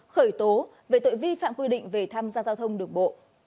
khởi tố về tội vi phạm quy định về tham gia giao thông đường bộ